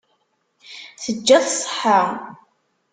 Teǧǧa-t ṣṣeḥḥa.